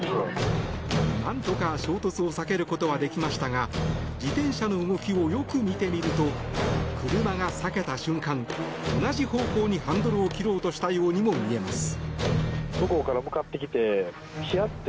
なんとか衝突を避けることはできましたが自転車の動きをよく見てみると車が避けた瞬間同じ方向にハンドルを切ろうとしたようにも見えます。